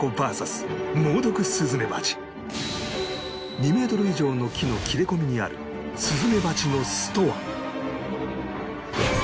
２メートル以上の木の切れ込みにあるスズメバチの巣とは？